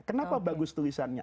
kenapa bagus tulisannya